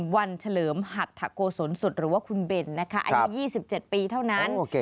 วันเฉลิมหัตถโกศลสุดหรือว่าคุณเบนนะคะอายุ๒๗ปีเท่านั้น